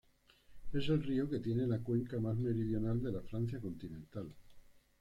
Es el río que tiene la cuenca más meridional de la Francia continental.